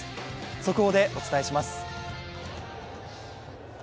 速報でお伝えします。